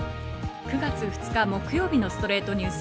９月２日、木曜日の『ストレイトニュース』。